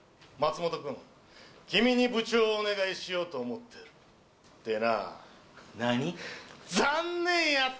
松本君、君に部長をお願いしようと思ってるってな。